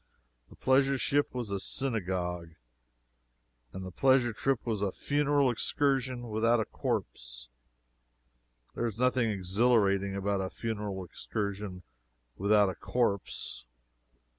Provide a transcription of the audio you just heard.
The pleasure ship was a synagogue, and the pleasure trip was a funeral excursion without a corpse. (There is nothing exhilarating about a funeral excursion without a corpse.)